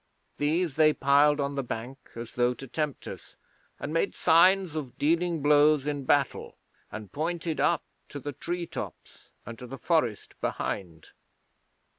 These they piled on the bank, as though to tempt us, and made signs of dealing blows in battle, and pointed up to the tree tops, and to the forest behind.